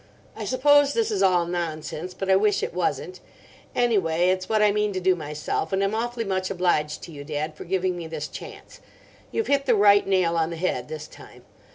"I suppose this is all nonsense, but I wish it wasn't. Anyway, it's what I mean to do myself; and I'm awfully much obliged to you, Dad, for giving me this chance. You've hit the right nail on the head this time.